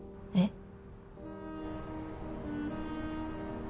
えっ？